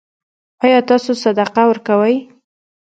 ایا تاسو صدقه ورکوئ؟